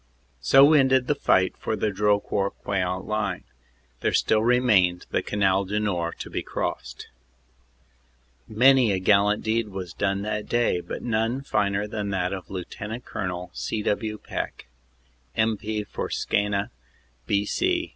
"So ended the fight for the Drocourt Queant line. There still remained the Canal du Nord to be crossed." Many a gallant deed was done that day, but none finer than that of Lt. Col. C. W. Peck, M.P. for Skeena, B.C.